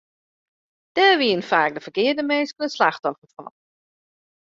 Dêr wienen faak de ferkearde minsken it slachtoffer fan.